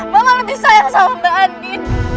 mama lebih sayang sama mbak andi